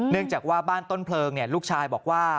เนื่องจากว่าบ้านต้นเพลิงลูกชายบอกว่า